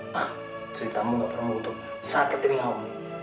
hah ceritamu nggak perlu untuk sakitkan diri om